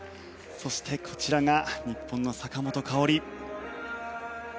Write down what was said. そして、こちらが日本の坂本花織。